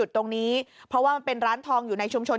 ตรงนี้เพราะว่ามันเป็นร้านทองอยู่ในชุมชน